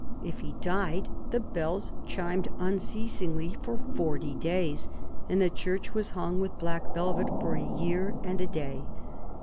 If he died, the bells chimed unceasingly for forty days, and the church was hung with black velvet for a year and a day.